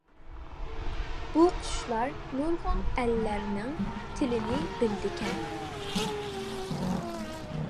بۇ قۇشلار نۇرغۇن ئەللەرنىڭ تىلىنى بىلىدىكەن.